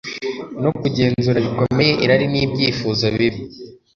no kugenzura bikomeye irari nibyifuzo bibi